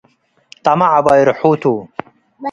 ጠመዕ አባይ ርሑ ቱ።